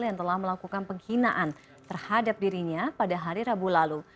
yang telah melakukan penghinaan terhadap dirinya pada hari rabu lalu